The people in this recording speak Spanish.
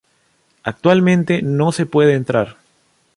Actualmente no se puede entrar.